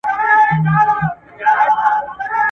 تاسې باید د تجربو له لارې خپله پوهه لوړه کړئ.